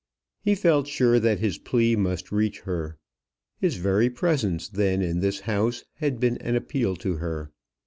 He felt sure that his plea must reach her. His very presence then in this house had been an appeal to her.